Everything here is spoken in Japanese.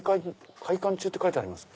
開館中って書いてあります。